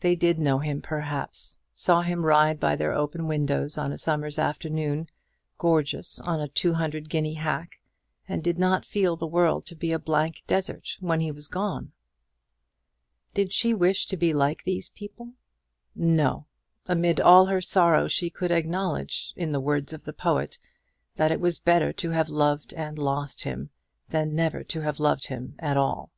They did know him, perhaps, saw him ride by their open windows, on a summer's afternoon, gorgeous on a two hundred guinea hack, and did not feel the world to be a blank desert when he was gone. Did she wish to be like these people? No! Amid all her sorrow she could acknowledge, in the words of the poet, that it was better to have loved and lost him, than never to have loved him at all.